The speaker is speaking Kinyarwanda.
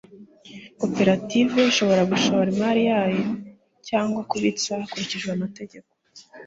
koperative ishobora gushora imari yayo cyangwa kubitsa hakurikijwe amategeko